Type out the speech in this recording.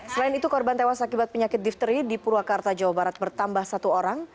selain itu korban tewas akibat penyakit difteri di purwakarta jawa barat bertambah satu orang